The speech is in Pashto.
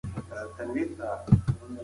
هغې د رانجو بېلابېلې بڼې ليدلي.